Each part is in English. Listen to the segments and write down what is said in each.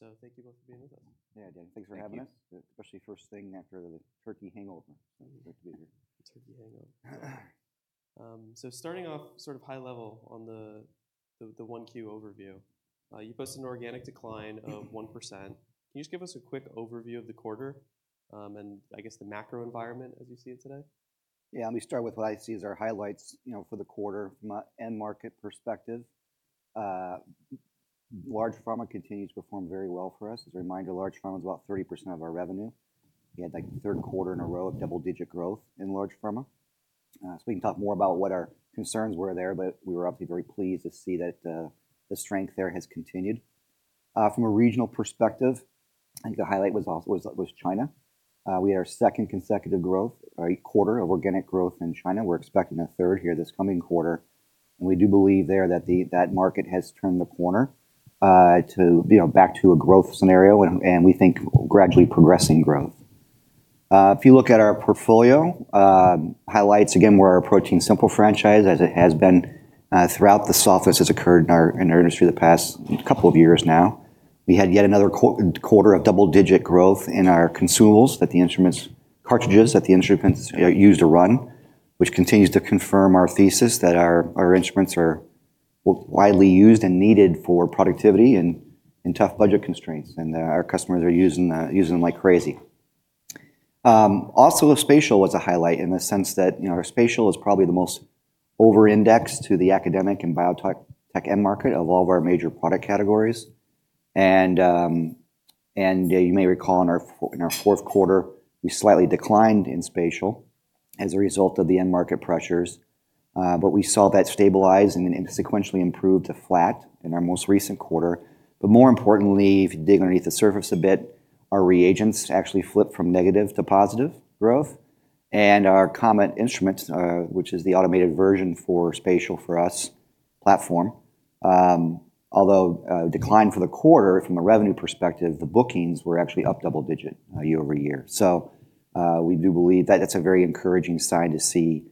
Thank you both for being with us. Yeah, James, thanks for having us. Especially first thing after the turkey hangover. Turkey hangover. Starting off sort of high level on the one Q overview, you posted an organic decline of 1%. Can you just give us a quick overview of the quarter and, I guess, the macro environment as you see it today? Yeah, let me start with what I see as our highlights for the quarter from an end market perspective. Large pharma continues to perform very well for us. As a reminder, large pharma is about 30% of our revenue. We had like third quarter in a row of double-digit growth in large pharma. We can talk more about what our concerns were there, but we were obviously very pleased to see that the strength there has continued. From a regional perspective, I think the highlight was China. We had our second consecutive quarter of organic growth in China. We're expecting a third here this coming quarter. We do believe there that that market has turned the corner back to a growth scenario, and we think gradually progressing growth. If you look at our portfolio, highlights again were our ProteinSimple franchise as it has been throughout the softness that's occurred in our industry the past couple of years now. We had yet another quarter of double-digit growth in our consumables, that the instruments, cartridges that the instruments use to run, which continues to confirm our thesis that our instruments are widely used and needed for productivity and in tough budget constraints. Our customers are using them like crazy. Also, spatial was a highlight in the sense that our spatial is probably the most over-indexed to the academic and biotech end market of all of our major product categories. You may recall in our fourth quarter, we slightly declined in spatial as a result of the end market pressures, but we saw that stabilize and then sequentially improve to flat in our most recent quarter. More importantly, if you dig underneath the surface a bit, our reagents actually flipped from negative to positive growth. Our common instruments, which is the automated version for spatial for us platform, although declined for the quarter from a revenue perspective, the bookings were actually up double-digit year-over-year. We do believe that that's a very encouraging sign to see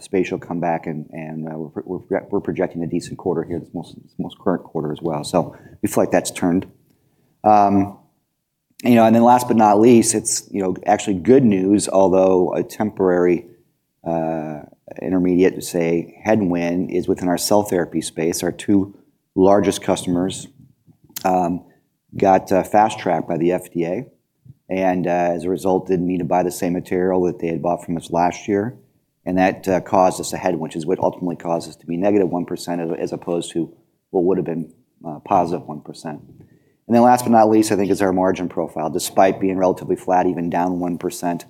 spatial come back. We are projecting a decent quarter here, the most current quarter as well. We feel like that's turned. Last but not least, it's actually good news, although a temporary intermediate to say headwind is within our cell therapy space. Our two largest customers got Fast Track by the FDA. As a result, they did not need to buy the same material that they had bought from us last year. That caused us a head, which is what ultimately caused us to be negative 1% as opposed to what would have been positive 1%. Last but not least, I think is our margin profile. Despite being relatively flat, even down 1%,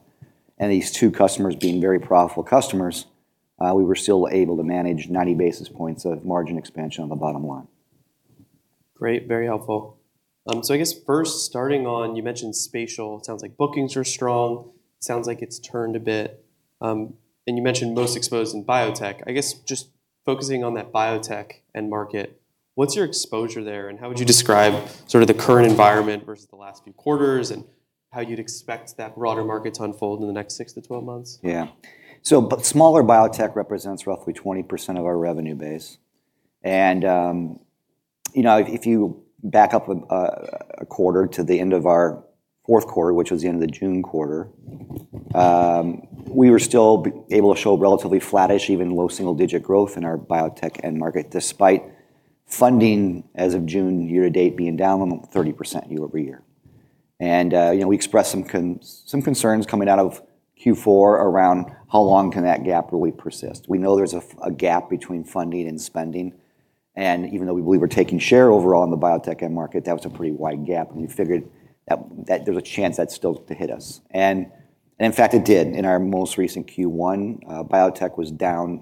and these two customers being very profitable customers, we were still able to manage 90 basis points of margin expansion on the bottom line. Great. Very helpful. I guess first starting on, you mentioned spatial. It sounds like bookings are strong. It sounds like it's turned a bit. You mentioned most exposed in biotech. I guess just focusing on that biotech end market, what's your exposure there? How would you describe sort of the current environment versus the last few quarters and how you'd expect that broader market to unfold in the next 6 to 12 months? Yeah. Smaller biotech represents roughly 20% of our revenue base. If you back up a quarter to the end of our fourth quarter, which was the end of the June quarter, we were still able to show relatively flattish, even low single-digit growth in our biotech end market despite funding as of June, year to date, being down 30% year-over-year. We expressed some concerns coming out of Q4 around how long can that gap really persist. We know there is a gap between funding and spending. Even though we believe we are taking share overall in the biotech end market, that was a pretty wide gap. We figured that there is a chance that is still to hit us. In fact, it did. In our most recent Q1, biotech was down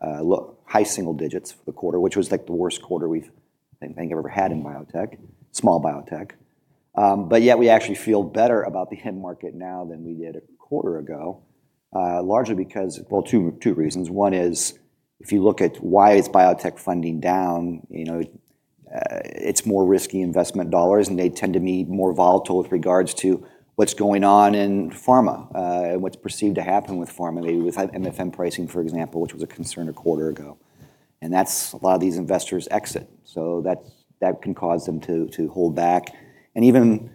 high single digits for the quarter, which was like the worst quarter we've I think ever had in biotech, small biotech. Yet we actually feel better about the end market now than we did a quarter ago, largely because, well, two reasons. One is if you look at why is biotech funding down, it's more risky investment dollars, and they tend to be more volatile with regards to what's going on in pharma and what's perceived to happen with pharma, maybe with MFN pricing, for example, which was a concern a quarter ago. That's a lot of these investors exit. That can cause them to hold back. Even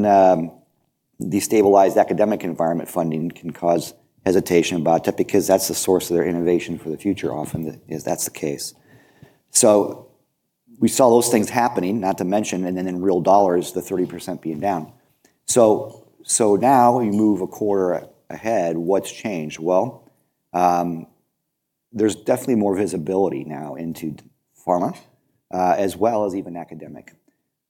the stabilized academic environment funding can cause hesitation about it because that's the source of their innovation for the future often is that's the case. We saw those things happening, not to mention, and then in real dollars, the 30% being down. Now you move a quarter ahead, what's changed? There is definitely more visibility now into pharma as well as even academic.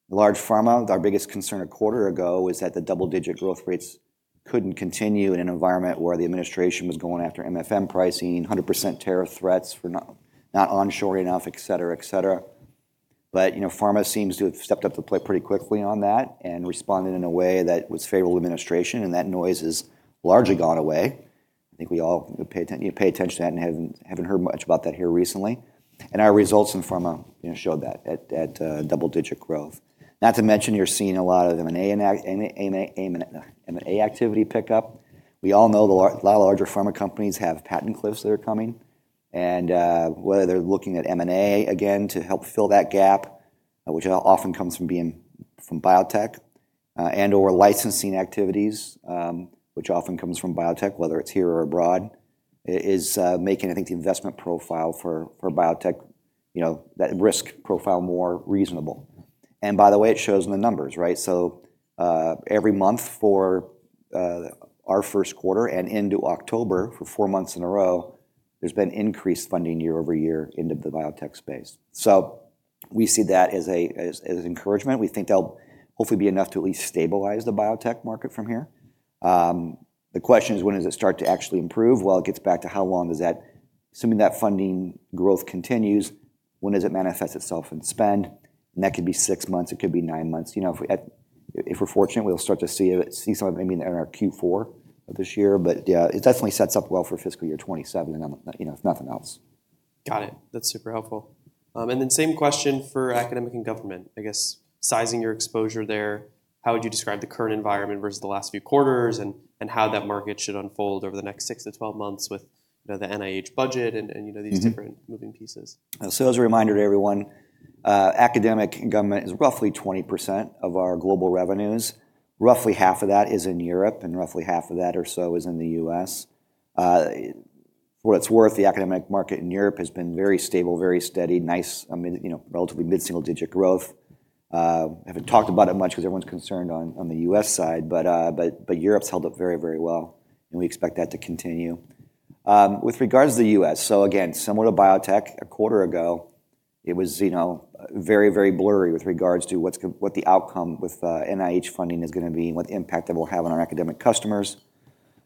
Large pharma, our biggest concern a quarter ago was that the double-digit growth rates could not continue in an environment where the administration was going after MFN pricing, 100% tariff threats for not onshore enough, et cetera, et cetera. Pharma seems to have stepped up to the plate pretty quickly on that and responded in a way that was favorable to the administration. That noise has largely gone away. I think we all pay attention to that and have not heard much about that here recently. Our results in pharma showed that, that double-digit growth. Not to mention you are seeing a lot of M&A activity pickup. We all know the larger pharma companies have patent cliffs that are coming. Whether they're looking at M&A again to help fill that gap, which often comes from biotech and/or licensing activities, which often comes from biotech, whether it's here or abroad, is making, I think, the investment profile for biotech, that risk profile more reasonable. By the way, it shows in the numbers, right? Every month for our first quarter and into October for four months in a row, there's been increased funding year-over-year into the biotech space. We see that as encouragement. We think that'll hopefully be enough to at least stabilize the biotech market from here. The question is, when does it start to actually improve? It gets back to how long does that, assuming that funding growth continues, when does it manifest itself in spend? That could be six months. It could be nine months. If we're fortunate, we'll start to see some of it maybe in our Q4 of this year. It definitely sets up well for fiscal year 2027, if nothing else. Got it. That's super helpful. And then same question for academic and government, I guess, sizing your exposure there. How would you describe the current environment versus the last few quarters and how that market should unfold over the next 6 to 12 months with the NIH budget and these different moving pieces? As a reminder to everyone, academic and government is roughly 20% of our global revenues. Roughly half of that is in Europe and roughly half of that or so is in the U.S. For what it's worth, the academic market in Europe has been very stable, very steady, nice, relatively mid-single-digit growth. I haven't talked about it much because everyone's concerned on the U.S. side, but Europe's held up very, very well. We expect that to continue. With regards to the U.S., again, similar to biotech, a quarter ago, it was very, very blurry with regards to what the outcome with NIH funding is going to be, what impact it will have on our academic customers.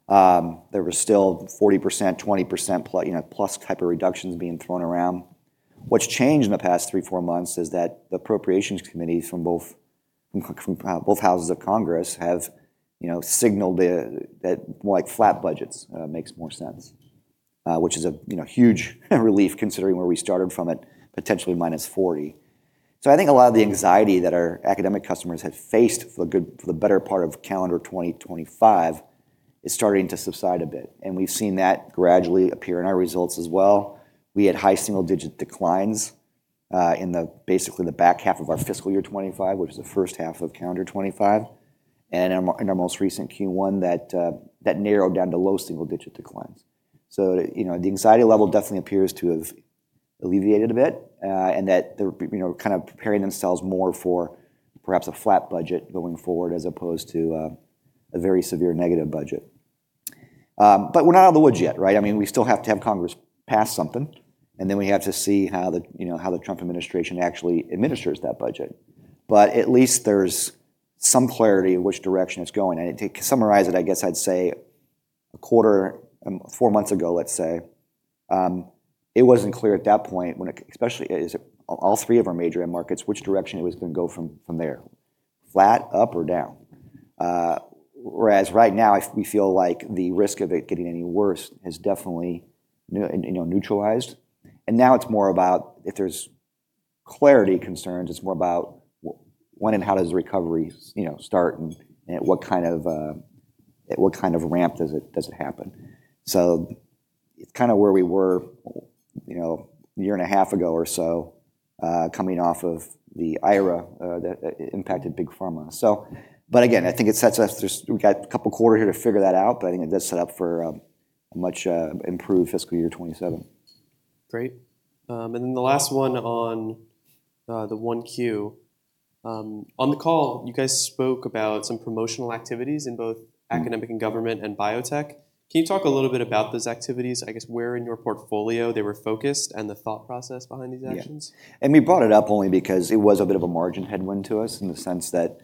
There were still 40%, 20% plus type of reductions being thrown around. What's changed in the past three, four months is that the appropriations committees from both houses of Congress have signaled that more like flat budgets makes more sense, which is a huge relief considering where we started from at potentially minus 40. I think a lot of the anxiety that our academic customers had faced for the better part of calendar 2025 is starting to subside a bit. We've seen that gradually appear in our results as well. We had high single-digit declines in basically the back half of our fiscal year 2025, which was the first half of calendar 2025. In our most recent Q1, that narrowed down to low single-digit declines. The anxiety level definitely appears to have alleviated a bit and that they're kind of preparing themselves more for perhaps a flat budget going forward as opposed to a very severe negative budget. We're not out of the woods yet, right? I mean, we still have to have Congress pass something. And then we have to see how the Trump administration actually administers that budget. At least there's some clarity of which direction it's going. To summarize it, I guess I'd say a quarter, four months ago, let's say, it wasn't clear at that point, especially all three of our major end markets, which direction it was going to go from there, flat, up, or down. Whereas right now, we feel like the risk of it getting any worse has definitely neutralized. Now it's more about if there's clarity concerns, it's more about when and how does the recovery start and what kind of ramp does it happen. It is kind of where we were a year and a half ago or so coming off of the IRA that impacted big pharma. Again, I think it sets us, we have got a couple of quarters here to figure that out, but I think it does set up for a much improved fiscal year 2027. Great. The last one on the one Q. On the call, you guys spoke about some promotional activities in both academic and government and biotech. Can you talk a little bit about those activities? I guess where in your portfolio they were focused and the thought process behind these actions? Yeah. We brought it up only because it was a bit of a margin headwind to us in the sense that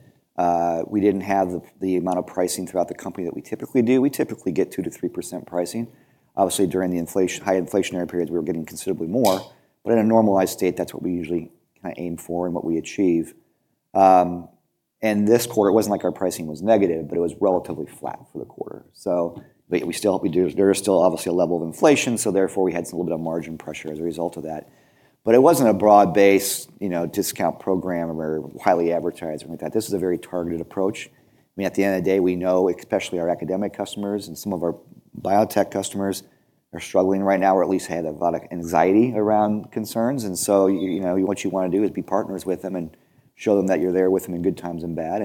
we did not have the amount of pricing throughout the company that we typically do. We typically get 2-3% pricing. Obviously, during the high inflationary periods, we were getting considerably more. In a normalized state, that is what we usually kind of aim for and what we achieve. This quarter, it was not like our pricing was negative, but it was relatively flat for the quarter. There is still obviously a level of inflation. Therefore, we had a little bit of margin pressure as a result of that. It was not a broad-based discount program or highly advertised or anything like that. This is a very targeted approach. I mean, at the end of the day, we know, especially our academic customers and some of our biotech customers are struggling right now or at least had a lot of anxiety around concerns. What you want to do is be partners with them and show them that you're there with them in good times and bad.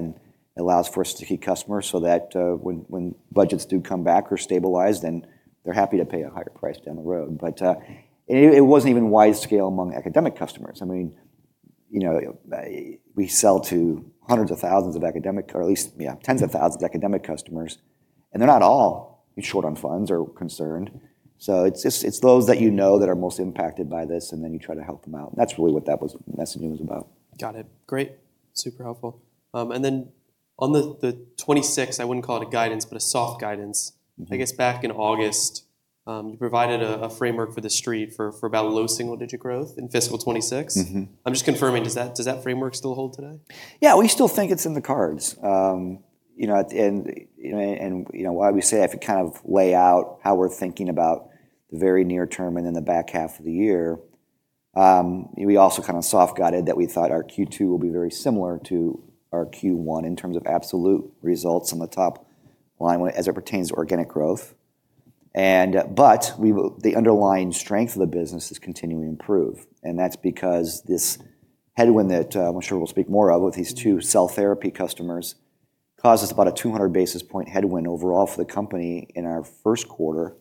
It allows for us to keep customers so that when budgets do come back or stabilize, then they're happy to pay a higher price down the road. It was not even wide scale among academic customers. I mean, we sell to hundreds of thousands of academic, or at least tens of thousands of academic customers. They are not all short on funds or concerned. It is those that you know that are most impacted by this, and then you try to help them out. That is really what that messaging was about. Got it. Great. Super helpful. On the 26th, I wouldn't call it a guidance, but a soft guidance. I guess back in August, you provided a framework for the street for about low single-digit growth in fiscal 2026. I'm just confirming, does that framework still hold today? Yeah, we still think it's in the cards. If you kind of lay out how we're thinking about the very near term and then the back half of the year, we also kind of soft guided that we thought our Q2 will be very similar to our Q1 in terms of absolute results on the top line as it pertains to organic growth. The underlying strength of the business is continuing to improve. That's because this headwind that I'm sure we'll speak more of with these two cell therapy customers caused us about a 200 basis point headwind overall for the company in our first quarter.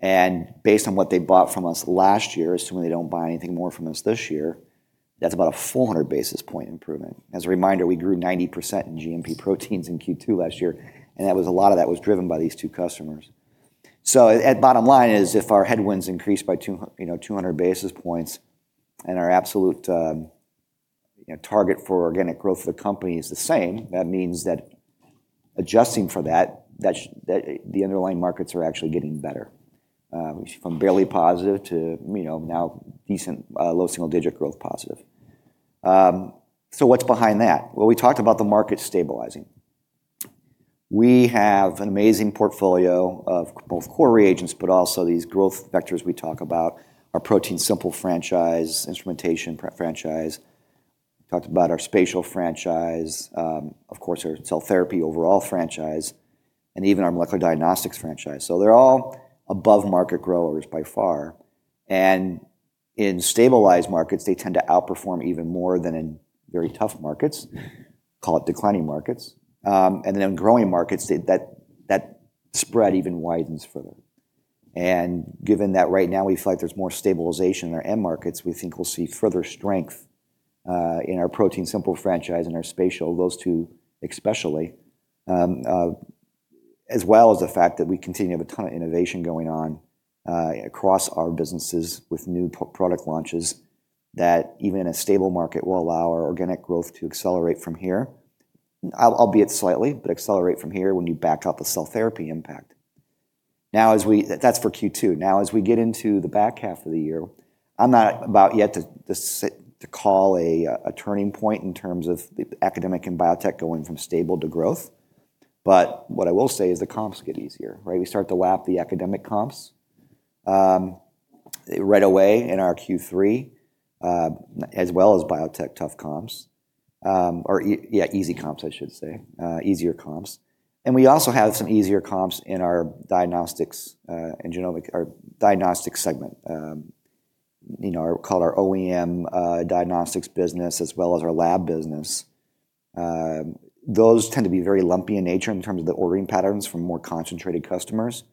Based on what they bought from us last year, assuming they don't buy anything more from us this year, that's about a 400 basis point improvement. As a reminder, we grew 90% in GMP proteins in Q2 last year. A lot of that was driven by these two customers. Bottom line is if our headwinds increase by 200 basis points and our absolute target for organic growth for the company is the same, that means that adjusting for that, the underlying markets are actually getting better, from barely positive to now decent low single-digit growth positive. What is behind that? We talked about the market stabilizing. We have an amazing portfolio of both core reagents, but also these growth vectors we talk about, our ProteinSimple franchise, instrumentation franchise. We talked about our spatial franchise, of course, our cell therapy overall franchise, and even our molecular diagnostics franchise. They are all above market growers by far. In stabilized markets, they tend to outperform even more than in very tough markets, call it declining markets. In growing markets, that spread even widens further. Given that right now we feel like there is more stabilization in our end markets, we think we will see further strength in our ProteinSimple franchise and our spatial, those two especially, as well as the fact that we continue to have a ton of innovation going on across our businesses with new product launches that even a stable market will allow our organic growth to accelerate from here, albeit slightly, but accelerate from here when you back up the cell therapy impact. That is for Q2. As we get into the back half of the year, I am not about yet to call a turning point in terms of the academic and biotech going from stable to growth. What I will say is the comps get easier, right? We start to lap the academic comps right away in our Q3, as well as biotech tough comps, or yeah, easy comps, I should say, easier comps. We also have some easier comps in our diagnostics and genomic or diagnostics segment, called our OEM diagnostics business, as well as our lab business. Those tend to be very lumpy in nature in terms of the ordering patterns from more concentrated customers.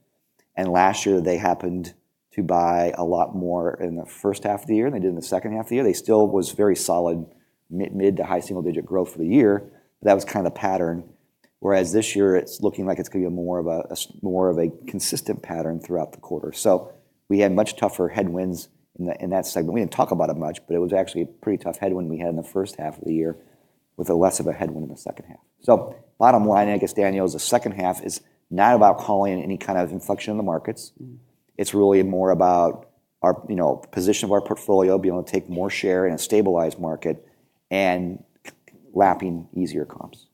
Last year, they happened to buy a lot more in the first half of the year than they did in the second half of the year. They still was very solid, mid to high single-digit growth for the year. That was kind of the pattern. Whereas this year, it's looking like it's going to be more of a consistent pattern throughout the quarter. We had much tougher headwinds in that segment. We did not talk about it much, but it was actually a pretty tough headwind we had in the first half of the year with less of a headwind in the second half. Bottom line, I guess, Daniel, is the second half is not about calling in any kind of inflection in the markets. It is really more about the position of our portfolio, being able to take more share in a stabilized market and lapping easier comps.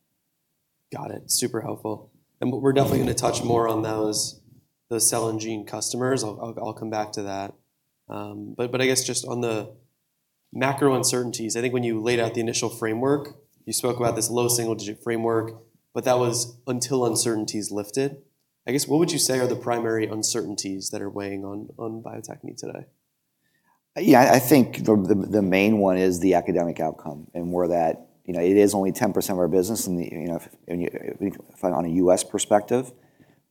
Got it. Super helpful. We're definitely going to touch more on those cell and gene customers. I'll come back to that. I guess just on the macro uncertainties, I think when you laid out the initial framework, you spoke about this low single-digit framework, but that was until uncertainties lifted. I guess what would you say are the primary uncertainties that are weighing on biotech needs today? Yeah, I think the main one is the academic outcome and where that it is only 10% of our business on a U.S. perspective,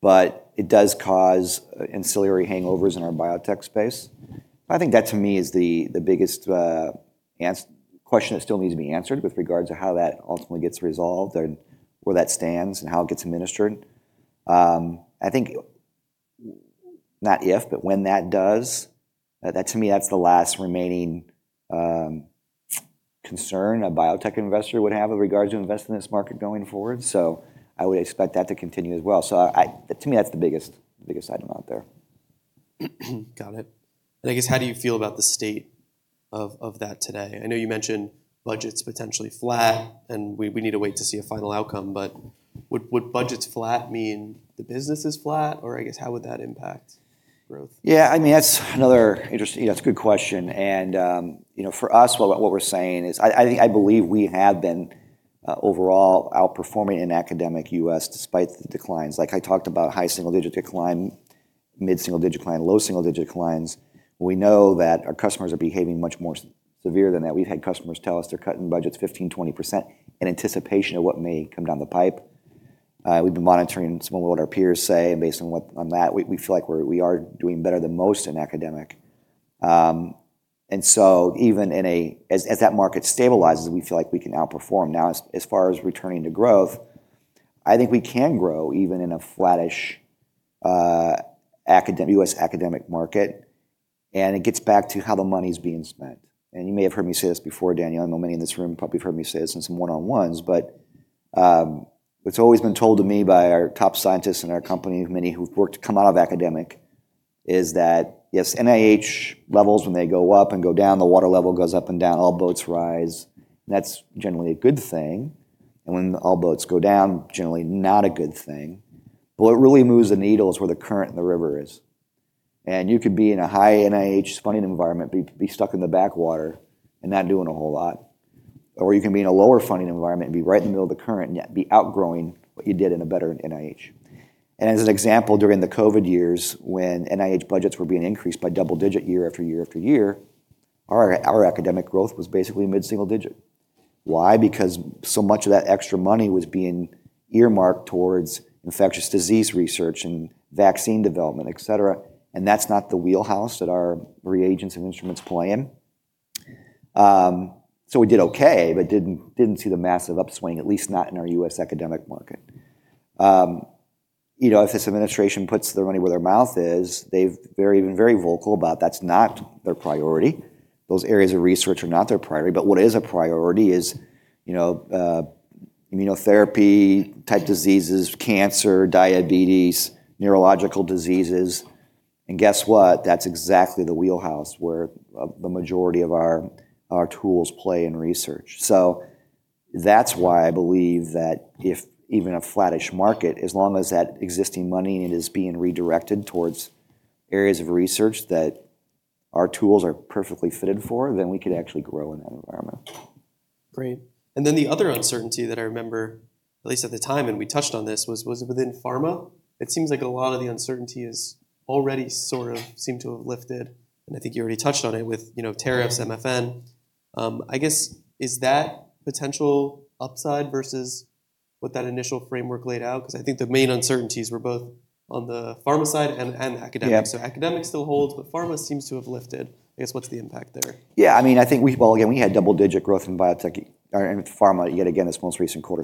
but it does cause ancillary hangovers in our biotech space. I think that to me is the biggest question that still needs to be answered with regards to how that ultimately gets resolved and where that stands and how it gets administered. I think not if, but when that does, that to me, that's the last remaining concern a biotech investor would have with regards to investing in this market going forward. I would expect that to continue as well. To me, that's the biggest item out there. Got it. I guess how do you feel about the state of that today? I know you mentioned budgets potentially flat and we need to wait to see a final outcome. Would budgets flat mean the business is flat? I guess how would that impact growth? Yeah, I mean, that's another interesting, that's a good question. For us, what we're saying is I believe we have been overall outperforming in academic U.S. despite the declines. Like I talked about high single-digit decline, mid-single-digit decline, low single-digit declines. We know that our customers are behaving much more severe than that. We've had customers tell us they're cutting budgets 15%-20% in anticipation of what may come down the pipe. We've been monitoring some of what our peers say and based on that, we feel like we are doing better than most in academic. Even as that market stabilizes, we feel like we can outperform. Now, as far as returning to growth, I think we can grow even in a flattish U.S. academic market. It gets back to how the money's being spent. You may have heard me say this before, Daniel, and many in this room probably have heard me say this in some one-on-ones, but what's always been told to me by our top scientists in our company, many who've come out of academic, is that, yes, NIH levels, when they go up and go down, the water level goes up and down, all boats rise. That's generally a good thing. When all boats go down, generally not a good thing. What really moves the needle is where the current and the river is. You could be in a high NIH funding environment, be stuck in the backwater and not doing a whole lot. You can be in a lower funding environment and be right in the middle of the current and yet be outgrowing what you did in a better NIH. As an example, during the COVID years, when NIH budgets were being increased by double digit year after year after year, our academic growth was basically mid-single digit. Why? Because so much of that extra money was being earmarked towards infectious disease research and vaccine development, etc. That is not the wheelhouse that our reagents and instruments play in. We did okay, but did not see the massive upswing, at least not in our U.S. academic market. If this administration puts their money where their mouth is, they have been very vocal about that is not their priority. Those areas of research are not their priority. What is a priority is immunotherapy-type diseases, cancer, diabetes, neurological diseases. Guess what? That is exactly the wheelhouse where the majority of our tools play in research. That is why I believe that if even a flattish market, as long as that existing money is being redirected towards areas of research that our tools are perfectly fitted for, then we could actually grow in that environment. Great. Then the other uncertainty that I remember, at least at the time, and we touched on this, was within pharma. It seems like a lot of the uncertainty has already sort of seemed to have lifted. I think you already touched on it with tariffs, MFN. I guess, is that potential upside versus what that initial framework laid out? Because I think the main uncertainties were both on the pharma side and academic. Academic still holds, but pharma seems to have lifted. I guess what's the impact there? Yeah, I mean, I think, well, again, we had double-digit growth in pharma yet again this most recent quarter.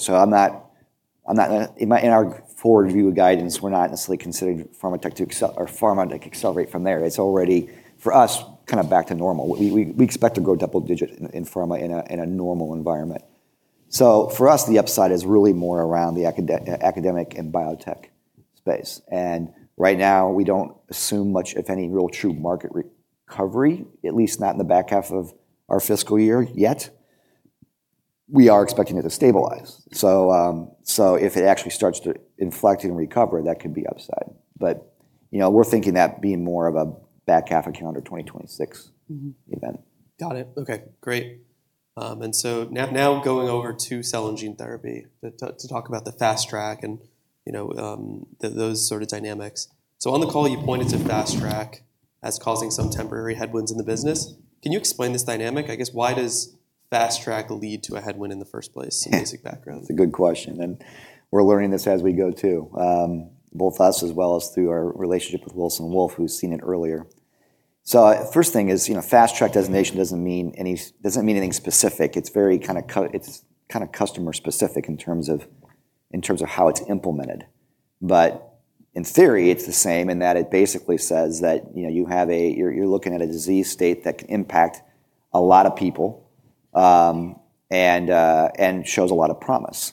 In our forward view of guidance, we're not necessarily considering pharma to accelerate from there. It's already, for us, kind of back to normal. We expect to grow double digit in pharma in a normal environment. For us, the upside is really more around the academic and biotech space. Right now, we don't assume much, if any, real true market recovery, at least not in the back half of our fiscal year yet. We are expecting it to stabilize. If it actually starts to inflect and recover, that could be upside. We're thinking that being more of a back half account or 2026 event. Got it. Okay, great. Now going over to cell and gene therapy to talk about the Fast Track and those sort of dynamics. On the call, you pointed to Fast Track as causing some temporary headwinds in the business. Can you explain this dynamic? I guess why does Fast Track lead to a headwind in the first place? Some basic background. It's a good question. We're learning this as we go too, both us as well as through our relationship with Wilson Wolf, who's seen it earlier. The first thing is fast track designation doesn't mean anything specific. It's kind of customer specific in terms of how it's implemented. In theory, it's the same in that it basically says that you're looking at a disease state that can impact a lot of people and shows a lot of promise.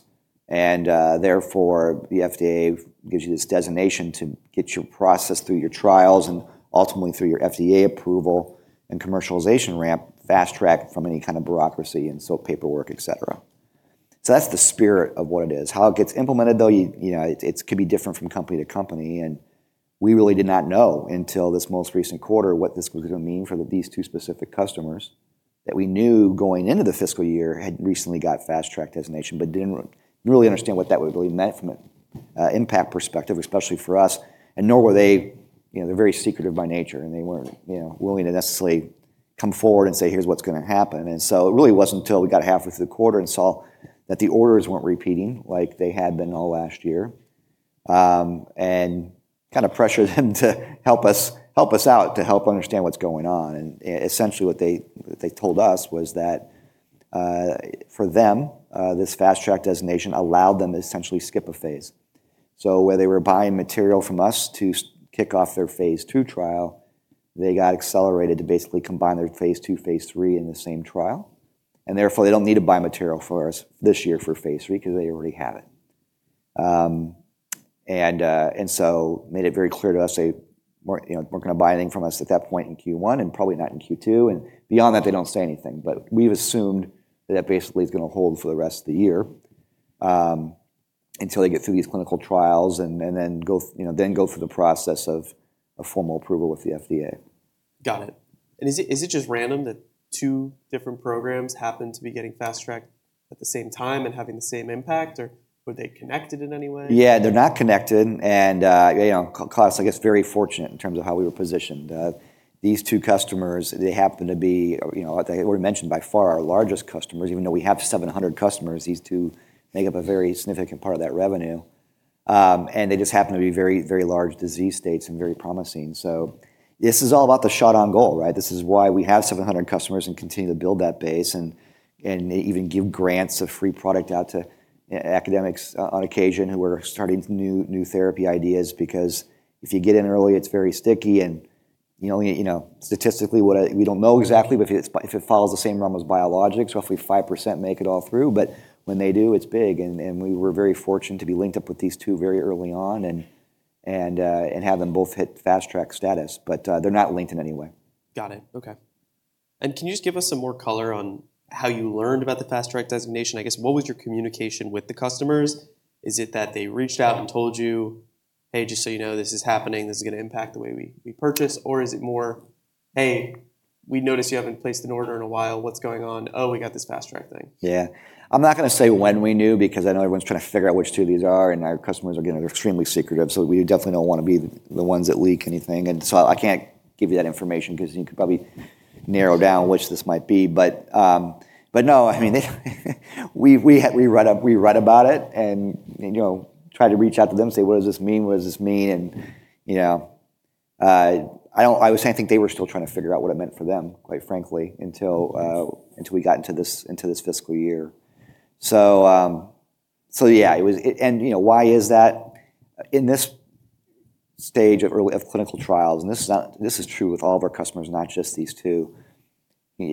Therefore, the FDA gives you this designation to get your process through your trials and ultimately through your FDA approval and commercialization ramp, fast track from any kind of bureaucracy and paperwork, etc. That's the spirit of what it is. How it gets implemented, though, could be different from company to company. We really did not know until this most recent quarter what this was going to mean for these two specific customers that we knew going into the fiscal year had recently got Fast Track designation, but did not really understand what that would really mean from an impact perspective, especially for us. Nor were they very secretive by nature. They were not willing to necessarily come forward and say, "Here's what's going to happen." It really was not until we got halfway through the quarter and saw that the orders were not repeating like they had been all last year and kind of pressured them to help us out to help understand what is going on. Essentially what they told us was that for them, this Fast Track designation allowed them to essentially skip a phase. Where they were buying material from us to kick off their phase two trial, they got accelerated to basically combine their phase two, phase three in the same trial. Therefore, they do not need to buy material from us this year for phase three because they already have it. It was made very clear to us, they were not going to buy anything from us at that point in Q1 and probably not in Q2. Beyond that, they do not say anything. We have assumed that basically it is going to hold for the rest of the year until they get through these clinical trials and then go through the process of formal approval with the FDA. Got it. Is it just random that two different programs happen to be getting Fast Track at the same time and having the same impact? Or were they connected in any way? Yeah, they're not connected. Call us, I guess, very fortunate in terms of how we were positioned. These two customers, they happen to be, like I already mentioned, by far our largest customers. Even though we have 700 customers, these two make up a very significant part of that revenue. They just happen to be very, very large disease states and very promising. This is all about the shot on goal, right? This is why we have 700 customers and continue to build that base and even give grants of free product out to academics on occasion who are starting new therapy ideas. If you get in early, it's very sticky. Statistically, we don't know exactly, but if it follows the same rhythm as biologics, roughly 5% make it all through. When they do, it's big. We were very fortunate to be linked up with these two very early on and have them both hit Fast Track status. They are not linked in any way. Got it. Okay. Can you just give us some more color on how you learned about the Fast Track designation? I guess, what was your communication with the customers? Is it that they reached out and told you, "Hey, just so you know, this is happening. This is going to impact the way we purchase." Or is it more, "Hey, we noticed you haven't placed an order in a while. What's going on? Oh, we got this Fast Track thing. Yeah. I'm not going to say when we knew because I know everyone's trying to figure out which two of these are. Our customers are extremely secretive. We definitely don't want to be the ones that leak anything. I can't give you that information because you could probably narrow down which this might be. I mean, we read about it and tried to reach out to them, say, "What does this mean? What does this mean?" I was saying, I think they were still trying to figure out what it meant for them, quite frankly, until we got into this fiscal year. Yeah, and why is that? In this stage of clinical trials, and this is true with all of our customers, not just these two,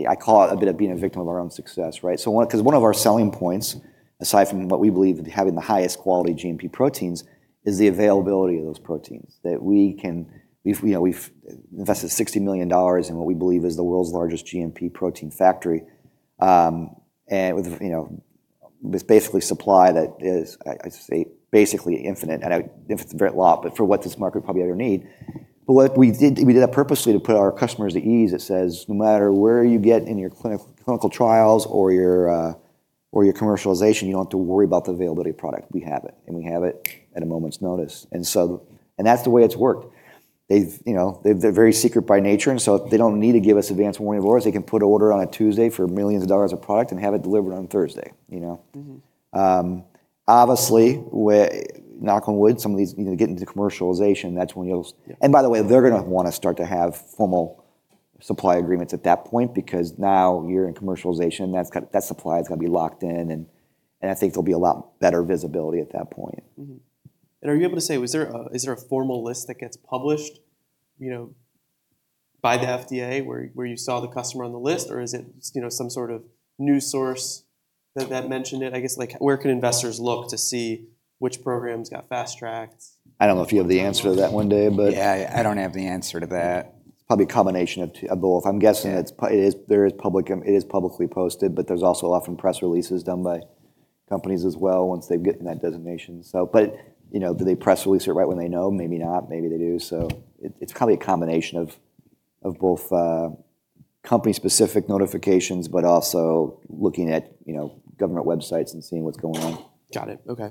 I call it a bit of being a victim of our own success, right? Because one of our selling points, aside from what we believe having the highest quality GMP proteins, is the availability of those proteins that we can invest $60 million in what we believe is the world's largest GMP protein factory. It's basically supply that is basically infinite. It's a very lot, but for what this market probably ever need. We did that purposely to put our customers at ease. It says, no matter where you get in your clinical trials or your commercialization, you don't have to worry about the availability of product. We have it. We have it at a moment's notice. That's the way it's worked. They're very secret by nature. They don't need to give us advance warning of orders. They can put an order on a Tuesday for millions of dollars of product and have it delivered on Thursday. Obviously, knock on wood, some of these get into commercialization. By the way, they're going to want to start to have formal supply agreements at that point because now you're in commercialization. That supply is going to be locked in. I think there'll be a lot better visibility at that point. Are you able to say, is there a formal list that gets published by the FDA where you saw the customer on the list? Or is it some sort of news source that mentioned it? I guess, where can investors look to see which programs got Fast Track? I don't know if you have the answer to that one day, but yeah, I don't have the answer to that. It's probably a combination of both. I'm guessing that it is publicly posted, but there's also often press releases done by companies as well once they've gotten that designation. Do they press release it right when they know? Maybe not. Maybe they do. It's probably a combination of both company-specific notifications, but also looking at government websites and seeing what's going on. Got it. Okay.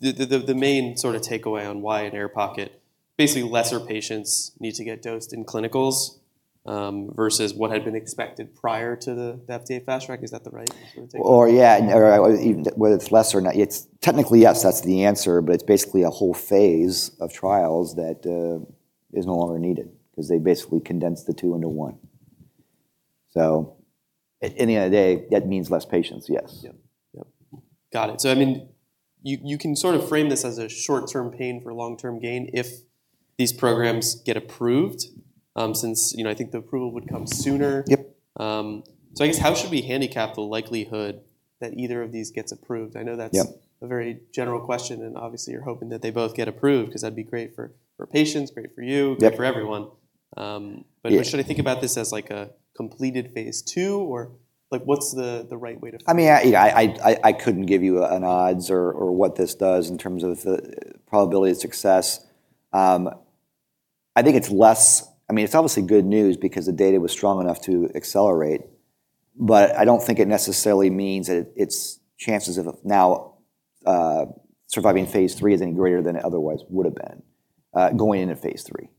The main sort of takeaway on why an air pocket, basically lesser patients need to get dosed in clinicals versus what had been expected prior to the FDA Fast Track, is that the right sort of takeaway? Yeah, whether it's less or not. Technically, yes, that's the answer. It's basically a whole phase of trials that is no longer needed because they basically condense the two into one. At the end of the day, that means less patients, yes. Yep. Yep. Got it. I mean, you can sort of frame this as a short-term pain for long-term gain if these programs get approved since I think the approval would come sooner. I guess, how should we handicap the likelihood that either of these gets approved? I know that's a very general question. Obviously, you're hoping that they both get approved because that'd be great for patients, great for you, great for everyone. Should I think about this as a completed phase two? What's the right way to frame it? I mean, I couldn't give you an odds or what this does in terms of the probability of success. I think it's less, I mean, it's obviously good news because the data was strong enough to accelerate. I don't think it necessarily means that its chances of now surviving phase three is any greater than it otherwise would have been going into phase three.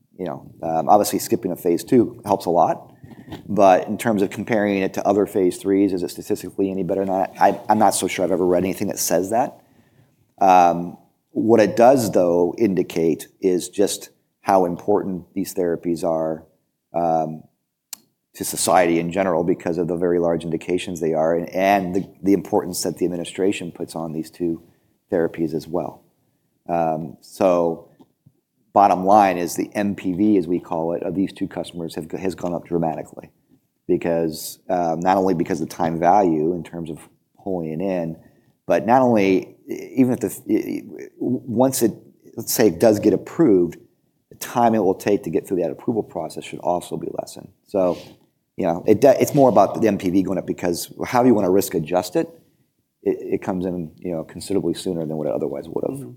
Obviously, skipping a phase two helps a lot. In terms of comparing it to other phase threes, is it statistically any better or not? I'm not so sure I've ever read anything that says that. What it does, though, indicate is just how important these therapies are to society in general because of the very large indications they are and the importance that the administration puts on these two therapies as well. Bottom line is the NPV, as we call it, of these two customers has gone up dramatically because not only because of the time value in terms of pulling it in, but not only even if the, let's say, it does get approved, the time it will take to get through that approval process should also be lessened. It is more about the NPV going up because however you want to risk adjust it, it comes in considerably sooner than what it otherwise would have.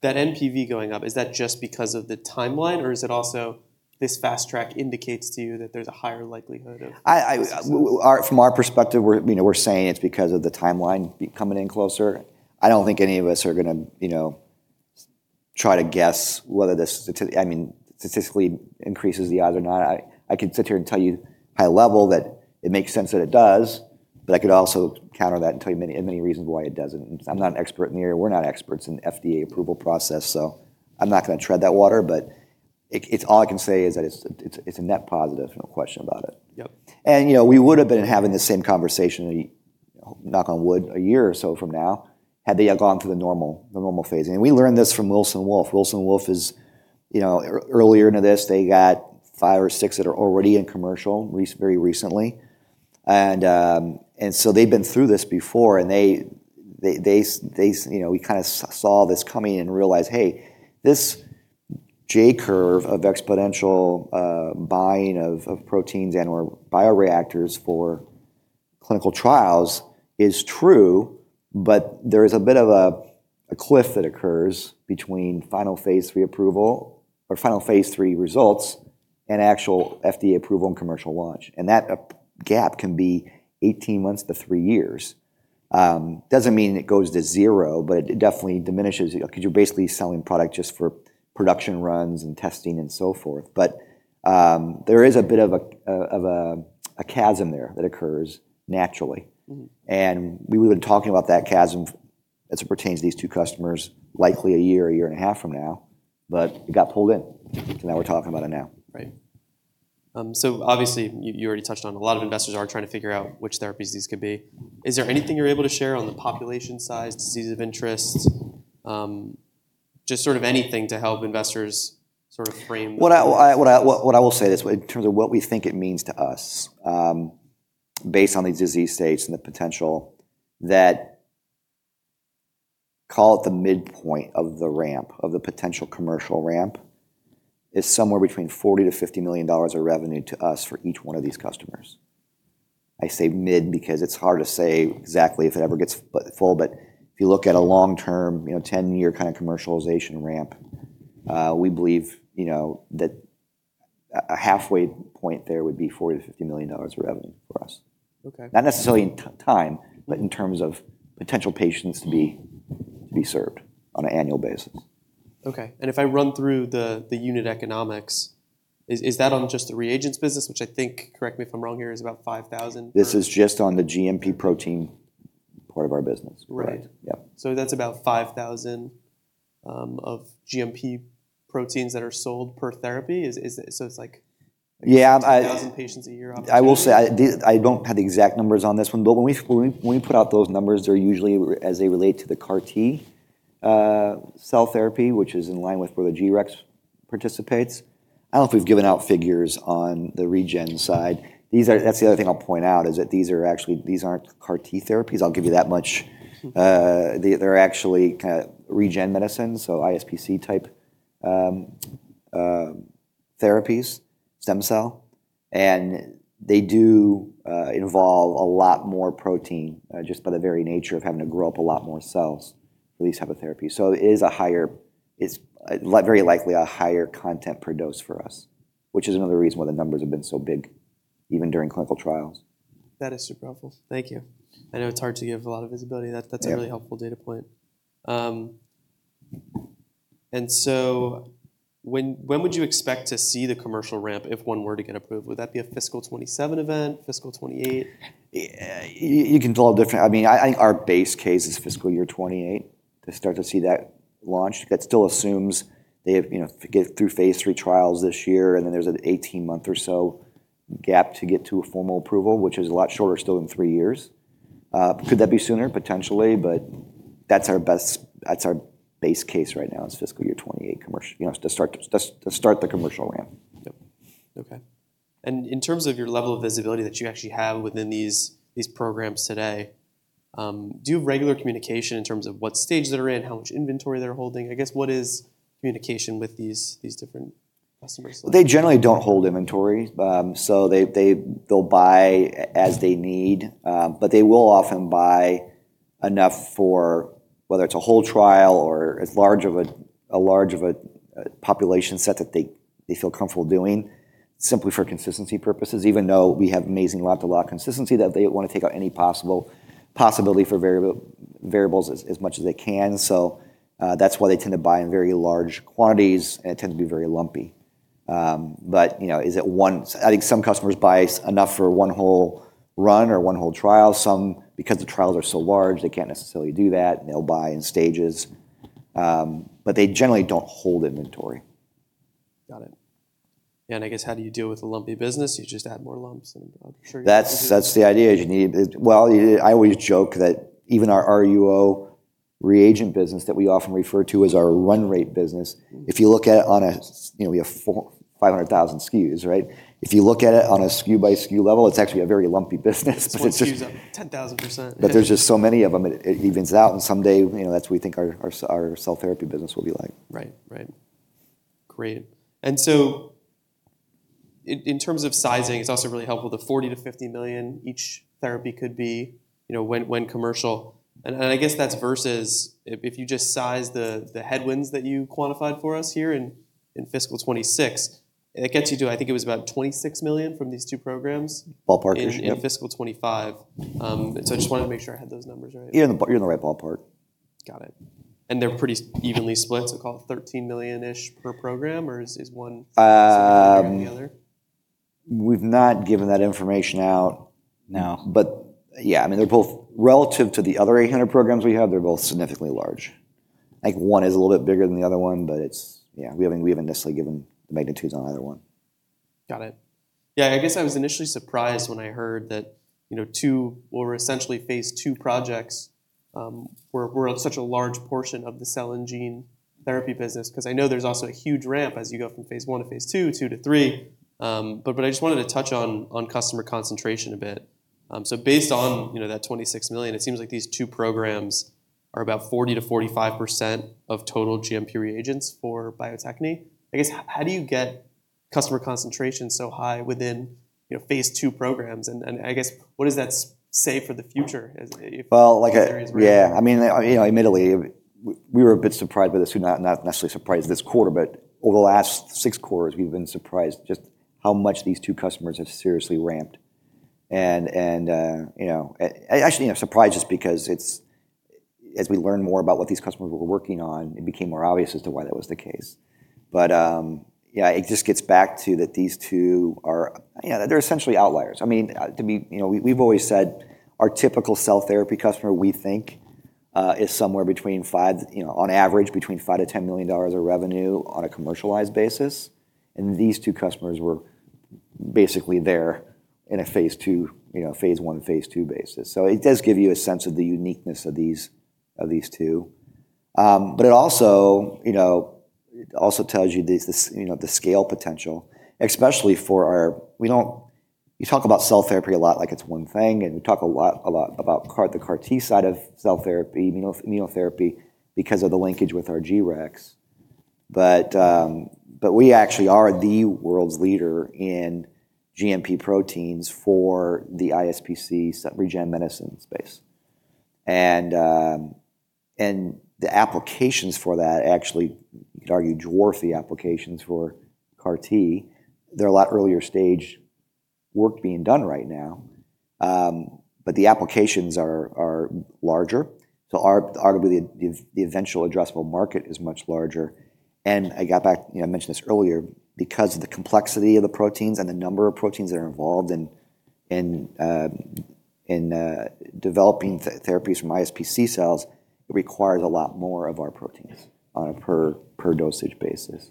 That NPV going up, is that just because of the timeline? Or is it also this Fast Track indicates to you that there's a higher likelihood of? From our perspective, we're saying it's because of the timeline coming in closer. I don't think any of us are going to try to guess whether this, I mean, statistically increases the odds or not. I could sit here and tell you high level that it makes sense that it does. I could also counter that and tell you many reasons why it doesn't. I'm not an expert in the area. We're not experts in the FDA approval process. I'm not going to tread that water. All I can say is that it's a net positive. No question about it. We would have been having the same conversation, knock on wood, a year or so from now had they gone through the normal phase. We learned this from Wilson Wolf. Wilson Wolf is earlier into this. They got five or six that are already in commercial very recently. They have been through this before. We kind of saw this coming and realized, hey, this J curve of exponential buying of proteins and/or bioreactors for clinical trials is true. There is a bit of a cliff that occurs between final phase three approval or final phase three results and actual FDA approval and commercial launch. That gap can be 18 months to three years. It does not mean it goes to zero, but it definitely diminishes because you are basically selling product just for production runs and testing and so forth. There is a bit of a chasm there that occurs naturally. We were talking about that chasm as it pertains to these two customers likely a year or a year and a half from now. It got pulled in. We're talking about it now. Right. Obviously, you already touched on a lot of investors are trying to figure out which therapies these could be. Is there anything you're able to share on the population size, disease of interest, just sort of anything to help investors sort of frame? What I will say is in terms of what we think it means to us based on these disease states and the potential that, call it the midpoint of the ramp of the potential commercial ramp, is somewhere between $40 million-$50 million of revenue to us for each one of these customers. I say mid because it's hard to say exactly if it ever gets full. If you look at a long-term, 10-year kind of commercialization ramp, we believe that a halfway point there would be $40 million-$50 million of revenue for us. Not necessarily in time, but in terms of potential patients to be served on an annual basis. Okay. If I run through the unit economics, is that on just the reagents business, which I think, correct me if I'm wrong here, is about 5,000? This is just on the GMP protein part of our business. Right. So that's about 5,000 of GMP proteins that are sold per therapy. So it's like 5,000 patients a year, obviously. I will say I don't have the exact numbers on this one. When we put out those numbers, they're usually as they relate to the CAR T-cell therapy, which is in line with where the G-Rex participates. I don't know if we've given out figures on the regen side. The other thing I'll point out is that these are actually, these aren't CAR T therapies. I'll give you that much. They're actually kind of regen medicine, so iPSC type therapies, stem cell. They do involve a lot more protein just by the very nature of having to grow up a lot more cells for these type of therapies. It is a higher, very likely a higher content per dose for us, which is another reason why the numbers have been so big even during clinical trials. That is super helpful. Thank you. I know it's hard to give a lot of visibility. That's a really helpful data point. When would you expect to see the commercial ramp if one were to get approved? Would that be a fiscal 2027 event, fiscal 2028? You can tell all different. I mean, I think our base case is fiscal year 2028 to start to see that launched. That still assumes they get through phase three trials this year. And then there's an 18-month or so gap to get to a formal approval, which is a lot shorter still than three years. Could that be sooner? Potentially. But that's our base case right now is fiscal year 2028 to start the commercial ramp. Okay. In terms of your level of visibility that you actually have within these programs today, do you have regular communication in terms of what stage they're in, how much inventory they're holding? I guess, what is communication with these different customers? They generally don't hold inventory. They'll buy as they need. They will often buy enough for whether it's a whole trial or as large of a population set that they feel comfortable doing simply for consistency purposes, even though we have amazing lot-to-lot consistency that they want to take out any possibility for variables as much as they can. That's why they tend to buy in very large quantities. It tends to be very lumpy. Is it one? I think some customers buy enough for one whole run or one whole trial. Some, because the trials are so large, can't necessarily do that. They'll buy in stages. They generally don't hold inventory. Got it. Yeah. I guess, how do you deal with a lumpy business? You just add more lumps and I'm sure you're good. That's the idea. I always joke that even our RUO reagent business that we often refer to as our run rate business, if you look at it on a, we have 500,000 SKUs, right? If you look at it on a SKU-by-SKU level, it's actually a very lumpy business. There's SKUs up 10,000%. There are just so many of them. It evens out. Someday, that's what we think our cell therapy business will be like. Right. Right. Great. In terms of sizing, it's also really helpful. The $40 million-$50 million each therapy could be when commercial. I guess that's versus if you just size the headwinds that you quantified for us here in fiscal 2026, that gets you to, I think it was about $26 million from these two programs. Ballpark issue. In fiscal 2025. I just wanted to make sure I had those numbers right. You're in the right ballpark. Got it. They're pretty evenly split? Call it $13 million-ish per program? Is one bigger than the other? We've not given that information out. No. Yeah, I mean, they're both relative to the other 800 programs we have, they're both significantly large. I think one is a little bit bigger than the other one. Yeah, we haven't necessarily given the magnitudes on either one. Got it. Yeah. I guess I was initially surprised when I heard that two or essentially phase two projects were such a large portion of the cell and gene therapy business because I know there's also a huge ramp as you go from phase one to phase two, two to three. I just wanted to touch on customer concentration a bit. Based on that $26 million, it seems like these two programs are about 40-45% of total GMP reagents for Bio-Techne. I guess, how do you get customer concentration so high within phase two programs? What does that say for the future? Yeah. I mean, admittedly, we were a bit surprised by this. We're not necessarily surprised this quarter. Over the last six quarters, we've been surprised just how much these two customers have seriously ramped. Actually, surprised just because as we learned more about what these customers were working on, it became more obvious as to why that was the case. Yeah, it just gets back to that these two are, they're essentially outliers. I mean, we've always said our typical cell therapy customer, we think, is somewhere between $5 million-$10 million of revenue on a commercialized basis. These two customers were basically there in a phase one, phase two basis. It does give you a sense of the uniqueness of these two. It also tells you the scale potential, especially for our, you talk about cell therapy a lot like it's one thing. We talk a lot about the CAR T side of cell therapy, immunotherapy because of the linkage with our G-Rex. We actually are the world's leader in GMP proteins for the iPSC regen medicine space. The applications for that actually, you could argue, dwarf the applications for CAR T. There is a lot earlier stage work being done right now, but the applications are larger. Arguably the eventual addressable market is much larger. I got back, I mentioned this earlier, because of the complexity of the proteins and the number of proteins that are involved in developing therapies from iPSC cells, it requires a lot more of our proteins on a per dosage basis.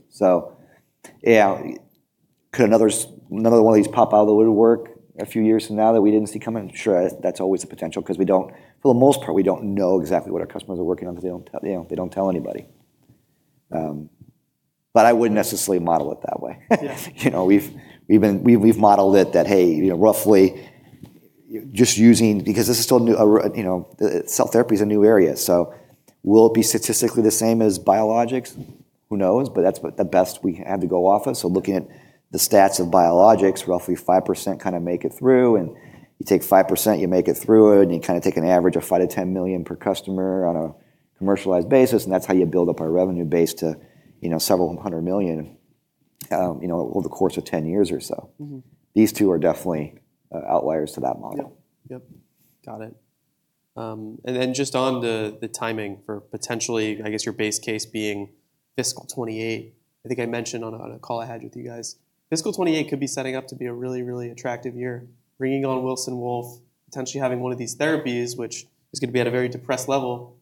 Yeah, could another one of these pop out of the woodwork a few years from now that we did not see coming? I'm sure that's always a potential because we do not, for the most part, we do not know exactly what our customers are working on because they do not tell anybody. I would not necessarily model it that way. We've modeled it that, hey, roughly just using, because this is still cell therapy is a new area. Will it be statistically the same as biologics? Who knows? That's the best we have to go off of. Looking at the stats of biologics, roughly 5% kind of make it through. You take 5%, you make it through it. You kind of take an average of $5 million-$10 million per customer on a commercialized basis. That's how you build up our revenue base to several hundred million over the course of 10 years or so. These two are definitely outliers to that model. Yep. Yep. Got it. Just on the timing for potentially, I guess, your base case being fiscal 2028, I think I mentioned on a call I had with you guys, fiscal 2028 could be setting up to be a really, really attractive year, bringing on Wilson Wolf, potentially having one of these therapies, which is going to be at a very depressed level,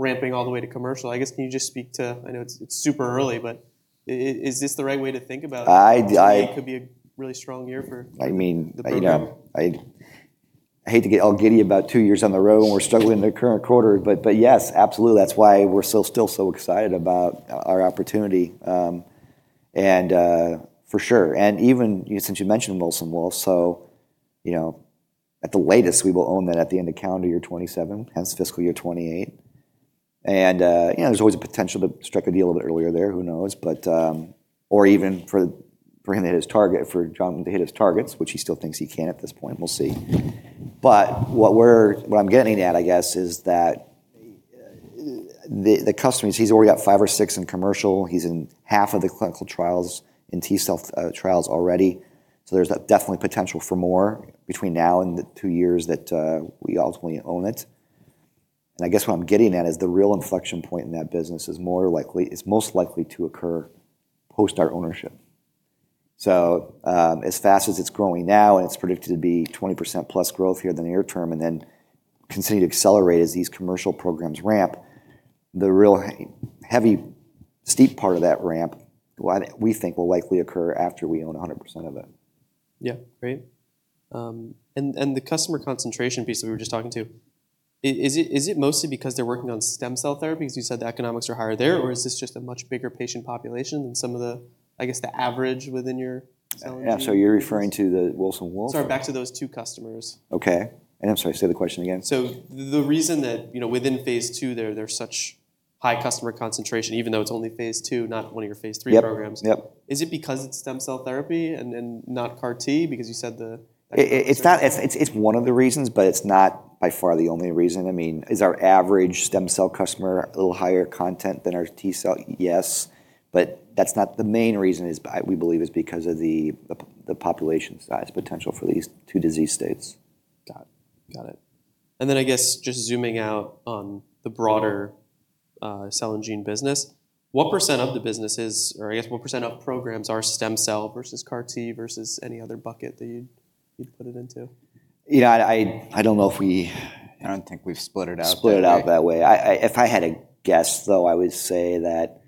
ramping all the way to commercial. I guess, can you just speak to, I know it's super early, but is this the right way to think about it? I. It could be a really strong year for. I mean, I hate to get all giddy about two years on the row when we're struggling in the current quarter. Yes, absolutely. That's why we're still so excited about our opportunity. For sure. Even since you mentioned Wilson Wolf, at the latest, we will own that at the end of calendar year 2027, hence fiscal year 2028. There's always a potential to strike a deal a little bit earlier there. Who knows? Or even for him to hit his target, for Johnson to hit his targets, which he still thinks he can at this point. We'll see. What I'm getting at, I guess, is that the customers, he's already got five or six in commercial. He's in half of the clinical trials in T cell trials already. There is definitely potential for more between now and the two years that we ultimately own it. I guess what I'm getting at is the real inflection point in that business is most likely to occur post our ownership. As fast as it's growing now, and it's predicted to be 20%+ growth here in the near term, and then continue to accelerate as these commercial programs ramp, the real heavy, steep part of that ramp, we think will likely occur after we own 100% of it. Yeah. Great. The customer concentration piece that we were just talking to, is it mostly because they're working on stem cell therapy? Because you said the economics are higher there. Or is this just a much bigger patient population than some of the, I guess, the average within your cell and gene? Yeah. So you're referring to the Wilson Wolf? Sorry, back to those two customers. Okay. I'm sorry, say the question again. The reason that within phase two, there's such high customer concentration, even though it's only phase two, not one of your phase three programs, is it because it's stem cell therapy and not CAR T? Because you said the. It's one of the reasons, but it's not by far the only reason. I mean, is our average stem cell customer a little higher content than our T cell? Yes. That's not the main reason, we believe, is because of the population size potential for these two disease states. Got it. Got it. I guess, just zooming out on the broader cell and gene business, what percent of the businesses, or I guess, what percent of programs are stem cell versus CAR T versus any other bucket that you'd put it into? Yeah. I don't know if we, I don't think we've split it out. Split it out that way. If I had a guess, though, I would say that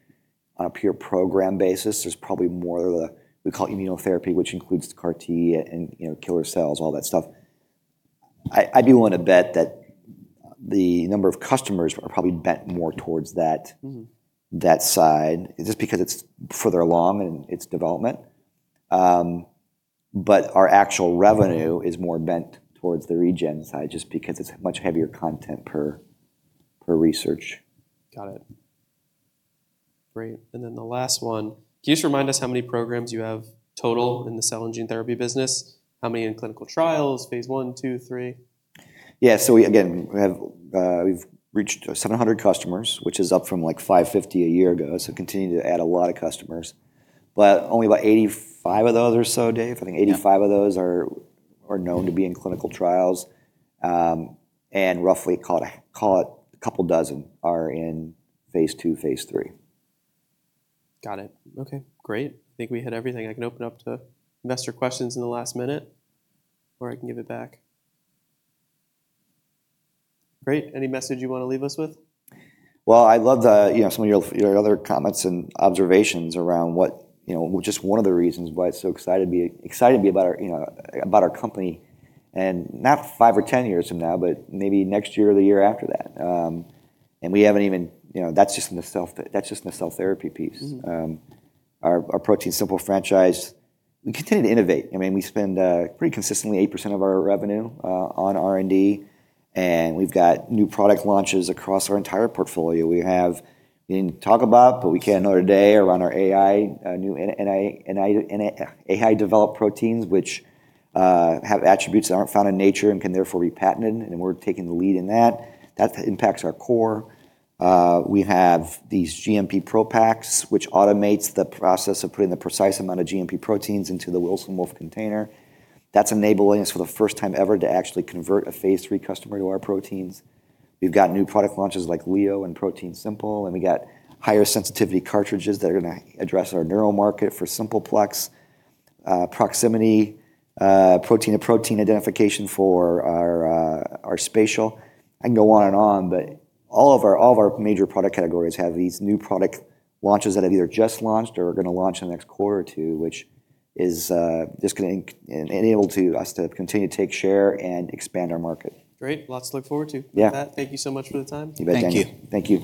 on a pure program basis, there's probably more of the, we call it immunotherapy, which includes CAR T and killer cells, all that stuff. I do want to bet that the number of customers are probably bent more towards that side, just because it's further along in its development. Our actual revenue is more bent towards the regen side just because it's much heavier content per research. Got it. Great. Can you just remind us how many programs you have total in the cell and gene therapy business? How many in clinical trials, phase one, two, three? Yeah. Again, we've reached 700 customers, which is up from like $550 a year ago. Continue to add a lot of customers. Only about 85 of those or so, Dave, I think 85 of those are known to be in clinical trials. Roughly, call it a couple dozen are in Phase II, Phase III. Got it. Okay. Great. I think we hit everything. I can open up to investor questions in the last minute, or I can give it back. Great. Any message you want to leave us with? I love some of your other comments and observations around what just one of the reasons why it's so exciting to be about our company and not five or 10 years from now, but maybe next year or the year after that. We haven't even, that's just in the cell therapy piece. Our ProteinSimple franchise, we continue to innovate. I mean, we spend pretty consistently 8% of our revenue on R&D. We've got new product launches across our entire portfolio. We have, we didn't talk about, but we can another day around our AI, new AI developed proteins, which have attributes that aren't found in nature and can therefore be patented. We're taking the lead in that. That impacts our core. We have these GMP ProPak, which automates the process of putting the precise amount of GMP proteins into the Wilson Wolf container. That's enabling us for the first time ever to actually convert a phase three customer to our proteins. We've got new product launches like Leo and ProteinSimple. And we got higher sensitivity cartridges that are going to address our neural market for Simple Plex, proximity, protein to protein identification for our spatial. I can go on and on. But all of our major product categories have these new product launches that have either just launched or are going to launch in the next quarter or two, which is just going to enable us to continue to take share and expand our market. Great. Lots to look forward to. Yeah. Thank you so much for the time. You bet. Thank you. Thank you.